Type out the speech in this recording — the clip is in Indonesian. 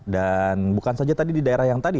dan bukan saja tadi di daerah yang tadi